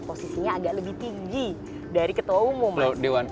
posisinya agak lebih tinggi dari ketua umum